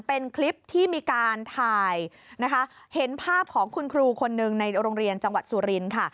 เป็นคลิปที่มีการถ่ายนะคะเห็นภาพของคุณครูคนหนึ่งในโรงเรียนจังหวัดสุรินทร์ค่ะ